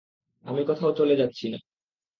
আমি কোথাও চলে যাচ্ছি না।